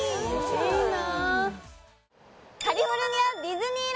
いいな！